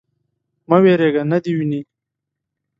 _مه وېرېږه. نه دې ويني.